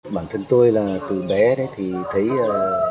bản thân tôi là từ bé thì thấy là